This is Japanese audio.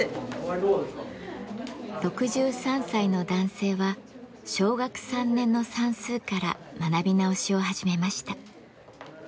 ６３歳の男性は小学３年の算数から学び直しを始めました。